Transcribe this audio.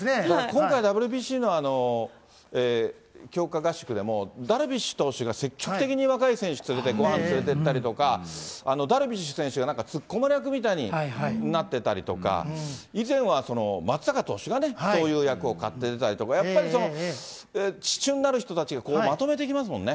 今回、ＷＢＣの強化合宿でも、ダルビッシュ投手が積極的に若い選手連れてごはん連れてったりとか、ダルビッシュ選手がなんか突っ込まれ役になってたりとか、以前は松坂投手がね、そういう役を買って出たりとか、やっぱり支柱になる人たちがまとめていきますもんね。